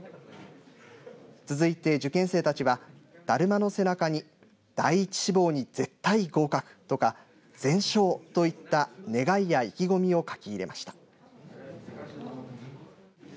続いて、受験生たちはだるまの背中に第１志望に絶対合格とか全勝といった願いや意気込みを書き入れました。